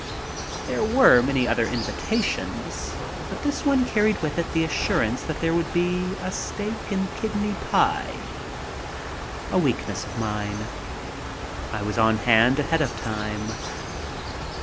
There were many other invitations, but this one carried with it the assurance that there would be a steak and kidney pie. A weakness of mine. I was on hand ahead of time.